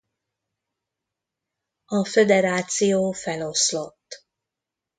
A föderáció feloszlott.